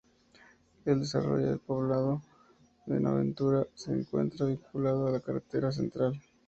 El desarrolla del poblado de Buenaventura se encuentra vinculado a la carretera central.